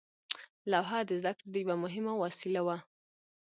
لوحه د زده کړې یوه مهمه وسیله وه.